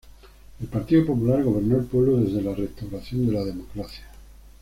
El Partido Popular gobernó el pueblo desde la restauración de la democracia.